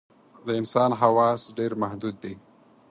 د انسان حواس ډېر محدود دي.